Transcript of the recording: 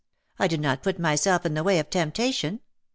I did not put myself in the way of temptation.